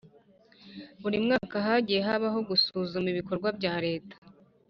Buri mwaka hagiye habaho gusuzuma ibikorwa bya leta